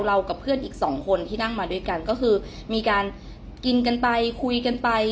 กับเพื่อนอีกสองคนที่นั่งมาด้วยกันก็คือมีการกินกันไปคุยกันไป